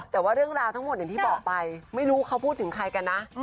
แต่ว่าเรื่องราวทั้งหมดอย่างที่บอกไปไม่รู้เขาพูดถึงใครกันนะ